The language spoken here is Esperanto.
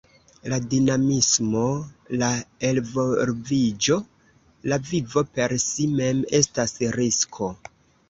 La dinamismo, la elvolviĝo, la vivo per si mem estas risko.